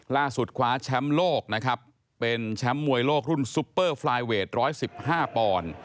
ล่าสุดคว้าแชมป์โลกนะครับเป็นแชมป์มวยโลกรุ่นซุปเปอร์ฟลายเวท๑๑๕ปอนด์